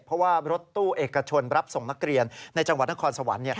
เพราะว่ารถตู้เอกชนรับส่งนักเรียนในจังหวัดนครสวรรค์